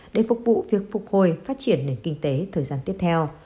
để phục vụ việc phục hồi phát triển nền kinh tế thời gian tiếp theo